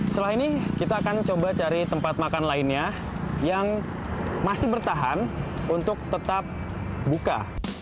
setelah ini kita akan coba cari tempat makan lainnya yang masih bertahan untuk tetap buka